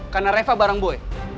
karena reva bareng woy